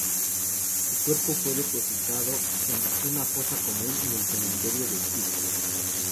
Su cuerpo fue depositado en una fosa común en el cementerio de Picpus.